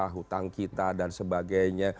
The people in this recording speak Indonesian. hutang kita dan sebagainya